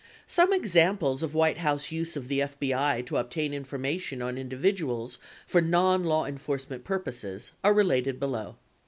89 Some examples of White House use of the FBI to obtain information on individuals for non law enforcement purposes are related below.